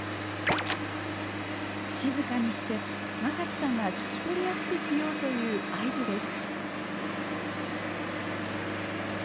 静かにしてまさきさんが聞き取りやすくしようという合図です。